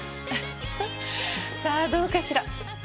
フフさあどうかしら。